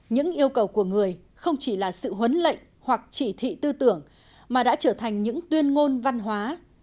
những yêu cầu của người không chỉ là sự huấn lệnh hoặc chỉ thị tư tưởng mà đã trở thành những tuyên ngôn văn hóa